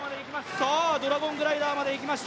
さぁ、ドラゴングライダーまでいきました。